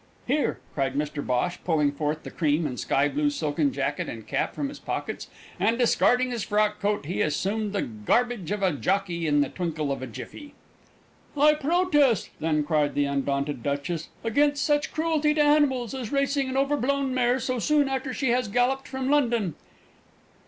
"Here!" cried Mr Bhosh, pulling forth the cream and sky blue silken jacket and cap from his pockets, and, discarding his frock coat, he assumed the garbage of a jockey in the twinkle of a jiffy. "I protest," then cried the undaunted Duchess, "against such cruelty to animals as racing an overblown mare so soon after she has galloped from London!"